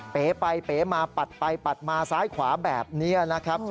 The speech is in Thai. เป๋ไปเป๋มาปัดไปปัดมาซ้ายขวาแบบนี้นะครับ